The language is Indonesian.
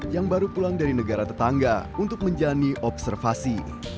yang baru pulang dari negara tetangga untuk menjalani observasi